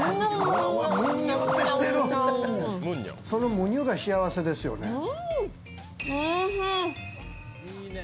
そのむにゅが幸せですよね。